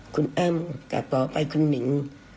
คุณอ้ำกากขออภัยคุณหนิง